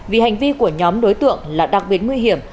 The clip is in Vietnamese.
vì hành vi của nhóm đối tượng là đặc biệt nguy hiểm